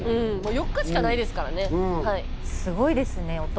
４日しかないですからね。